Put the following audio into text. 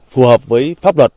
phù hợp với pháp luật